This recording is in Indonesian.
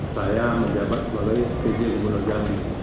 saya menjabat sebagai pj umum nur jambi